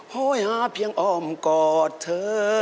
โฮยพี่ยังออมกอดเธอ